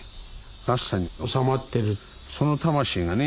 月山におさまってるその魂がね